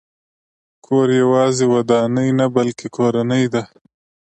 کور یوازې ودانۍ نه، بلکې کورنۍ ده.